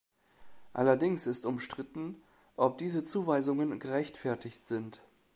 Allerdings ist umstritten, ob diese Zuweisungen gerechtfertigt sind.